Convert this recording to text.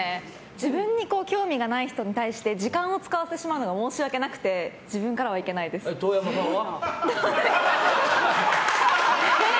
自分に興味がない人に対して時間を使わせてしまうのが申し訳なくてトオヤマさんは？